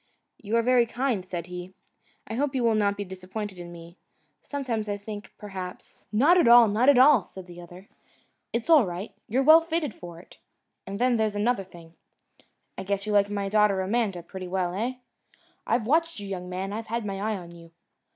"You are very kind," said he, "I hope you will not be disappointed in me. Sometimes I think, perhaps " "Not at all, not at all," said the other. "It's all right. You're well fitted for it. And then, there's another thing. I guess you like my daughter Amanda pretty well. Eh? I've watched you, young man. I've had my eye on you!